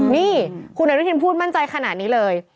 นี่คุณอนุทินพูดมั่นใจขนาดนี้เลย